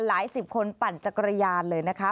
หลายสิบคนปั่นจักรยานเลยนะคะ